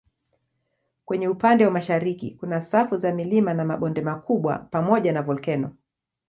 Kwenye upande wa mashariki kuna safu za milima na mabonde makubwa pamoja na volkeno.